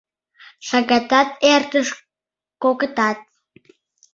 Шагатат эртыш, кокытат.